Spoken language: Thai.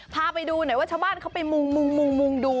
พาไปดูหน่อยว่าชาวบ้านเขาไปมุ่งดู